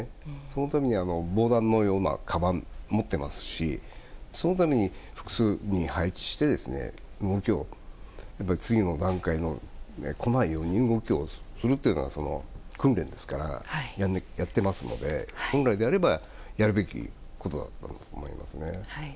そのために防弾のかばんを持っていますしそのために複数人配置して次の段階が来ないように動きをするというのを訓練としてやっていますので本来であればやるべきことだと思います。